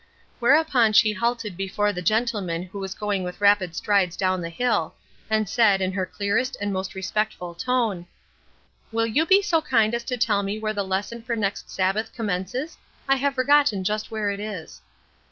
Whereupon she halted before the gentleman who was going with rapid strides down the hill, and said, in her clearest and most respectful tone: "Will you be so kind as to tell me where the lesson for next Sabbath commences? I have forgotten just where it is."